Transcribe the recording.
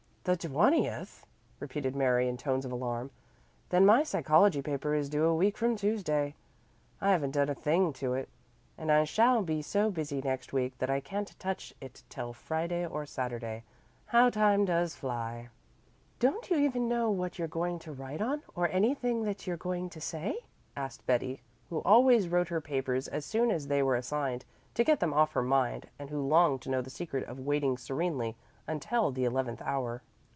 "The twentieth!" repeated Mary in tones of alarm. "Then, my psychology paper is due a week from Tuesday. I haven't done a thing to it, and I shall be so busy next week that I can't touch it till Friday or Saturday. How time does fly!" "Don't you even know what you're going to write on or anything that you're going to say?" asked Betty, who always wrote her papers as soon as they were assigned, to get them off her mind, and who longed to know the secret of waiting serenely until the eleventh hour.